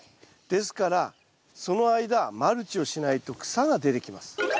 ですからその間マルチをしないと草が出てきます。